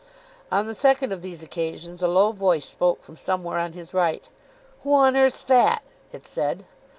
On the second of these occasions a low voice spoke from somewhere on his right. "Who on earth's that?" it said.